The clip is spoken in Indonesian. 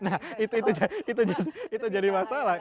nah itu jadi masalah